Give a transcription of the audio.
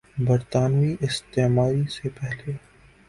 برطانوی استعماری سے پہلے